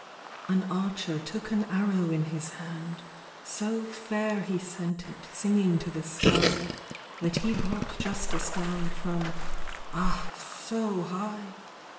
LXXXIII An archer took an arrow in his hand ; So fair he sent it singing to the sky That he brought justice down from ŌĆö ah, so high